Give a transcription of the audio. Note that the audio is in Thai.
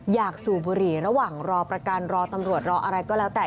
สูบบุหรี่ระหว่างรอประกันรอตำรวจรออะไรก็แล้วแต่